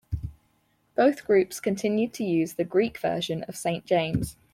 Both groups continued to use the Greek version of Saint James.